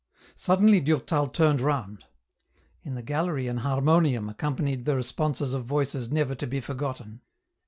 Suddenly Durtal turned round. In the gallery an harmonium accompanied the responses of voices never to be forgotten.